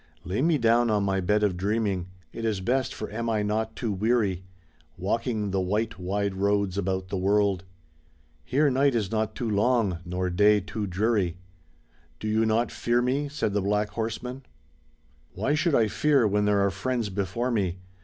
Lay me down on my bed of dreaming. It is best, for am I not too weary Walking the white wide roads about the world? Here night is not too long, nor day too dreary. "Do you not fear me?" said the black horseman. THE SAD YEARS THE BLACK HORSEMAN (Continued) Why should I fear when there are friends before me?